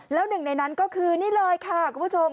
แล้วหนึ่งในนั้นก็คือนี่เลยค่ะคุณผู้ชม